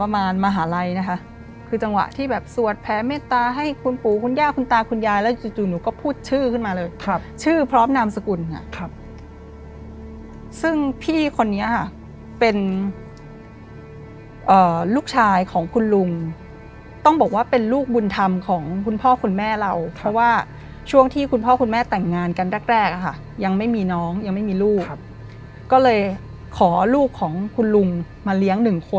มหาลัยนะคะคือจังหวะที่แบบสวดแผลเมตตาให้คุณปู่คุณย่าคุณตาคุณยายแล้วจริงหนูก็พูดชื่อขึ้นมาเลยครับชื่อพร้อมนามสกุลค่ะครับซึ่งพี่คนนี้ค่ะเป็นลูกชายของคุณลุงต้องบอกว่าเป็นลูกบุญธรรมของคุณพ่อคุณแม่เราเพราะว่าช่วงที่คุณพ่อคุณแม่แต่งงานกันแรกค่ะยังไม่มีน้องยังไม